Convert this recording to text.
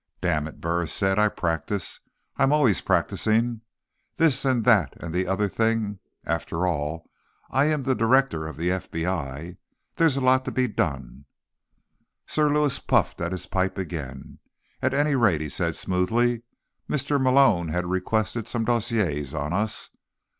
"Damn it," Burris said, "I practice. I'm always practicing. This and that and the other thing—after all, I am the director of the FBI. There's a lot to be done." Sir Lewis puffed at his pipe again. "At any rate," he said smoothly, "Mr. Malone had requested some dossiers on us.